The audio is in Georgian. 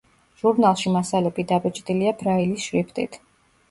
ჟურნალში მასალები დაბეჭდილია ბრაილის შრიფტით.